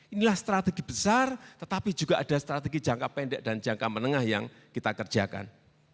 inilah strategi besar tetapi juga ada strategi jangka pendek dan jangka menengah yang kita kerjakan